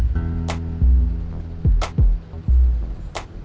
ya pak juna